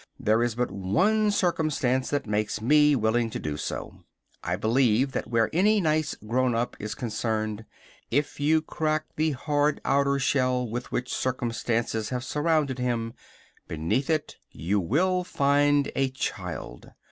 There is but one circumstance that makes me willing to do so. I believe that where any nice "grown up" is concerned, if you crack the hard outside shell with which circumstances have surrounded him, beneath it you will find a child.